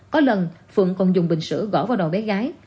có lần phượng còn dùng bình sữa gỏ vào đầu bé gái